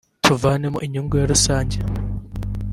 tuvanemo inyungu ya rusange